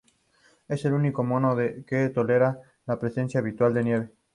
Es el único mono que tolera la presencia habitual de nieve.